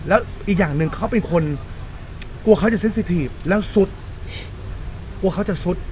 แล้วอีกอย่างหนึ่งเขาเป็นคนกลัวเขาจะเซ็นซีทีฟแล้วสุดกลัวเขาจะซุด